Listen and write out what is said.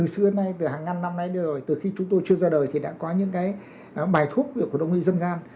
các bác sĩ đã có những bài thuốc của đồng nghi dân gian